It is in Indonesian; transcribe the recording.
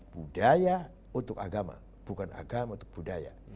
budaya untuk agama bukan agama untuk budaya